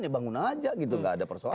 ya bangun aja gitu nggak ada persoalan